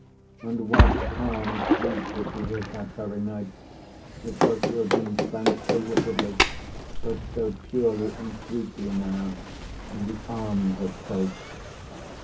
And what calm sleep would be his that very night, which was to have been spent so wickedly, but so purely and sweetly now, in the arms of Faith!